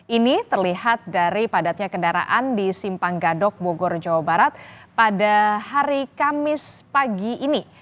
ini terlihat dari padatnya kendaraan di simpang gadok bogor jawa barat pada hari kamis pagi ini